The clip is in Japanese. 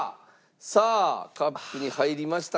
さあカップに入りました。